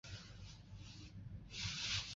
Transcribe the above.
青藏黄耆为豆科黄芪属的植物。